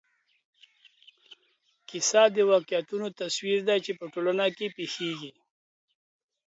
کیسه د واقعیتونو تصویر دی چې په ټولنه کې پېښېږي.